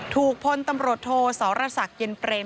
ถูกพ้นตำรวจโทสรศักดิ์เย็นเตรน